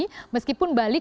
jadi lebih mahal memang bali